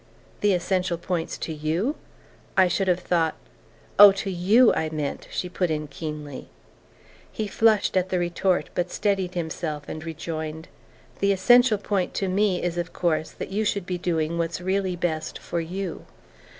"The essential points to YOU? I should have thought " "Oh, to YOU, I meant," she put in keenly. He flushed at the retort, but steadied himself and rejoined: "The essential point to me is, of course, that you should be doing what's really best for you."